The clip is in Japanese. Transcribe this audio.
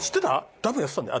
ダムやってたんだよ。